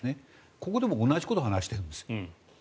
ここでも同じことを話しているんです。